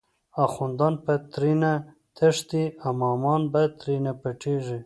آخوندان به ترینه تښتی، امامان به تری پټیږی